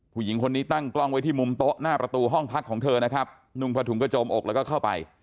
ผู้หญิงคนนี้ตั้งกล้องไว้ที่มุมโต๊ะหน้าประตูห้องพักของเธอนะครับนุ่งผ้าถุงกระโจมอกแล้วก็เข้าไป